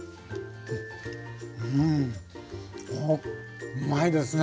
うんうまいですね。